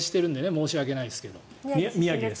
申し訳ないですが。